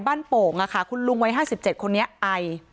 บ้านโป่งอ่ะค่ะคุณลุงไว้ห้าสิบเจ็ดคนนี้ไอ